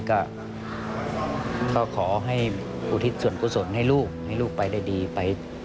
ก็ขอให้อุทิศส่วนกุศลให้ลูกให้ลูกไปได้ดีไป